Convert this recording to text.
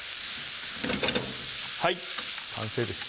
はい完成です。